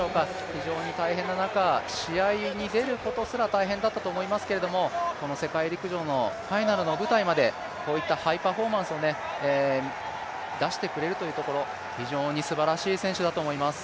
非常に大変な中、試合に出ることすら大変だったと思いますけどこの世界陸上のファイナルの舞台までこういったハイパフォーマンスを出してくれるというところ非常にすばらしい選手だと思います。